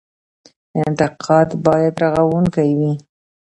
انتقاد باید رغونکی وي